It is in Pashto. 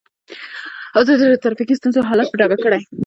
ازادي راډیو د ټرافیکي ستونزې حالت په ډاګه کړی.